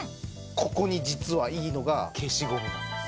ここに実はいいのが消しゴムなんです。